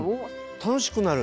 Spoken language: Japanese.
楽しくなる食が。